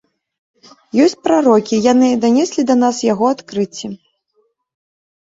Ёсць прарокі, яны данеслі да нас яго адкрыцці.